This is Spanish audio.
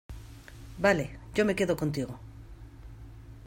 vale, yo me quedo contigo.